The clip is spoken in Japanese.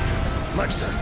真希さん